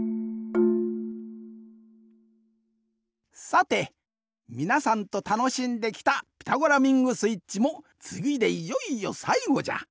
さてみなさんとたのしんできた「ピタゴラミングスイッチ」もつぎでいよいよさいごじゃ。